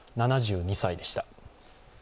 ７２歳でした。